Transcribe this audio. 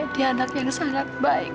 dia anak yang sangat baik